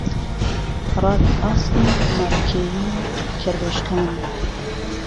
راوی ئاسک و مهڕهکێوی و کهروێشکان